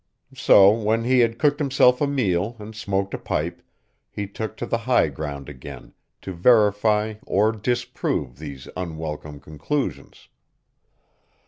So when he had cooked himself a meal and smoked a pipe, he took to the high ground again to verify or disprove these unwelcome conclusions.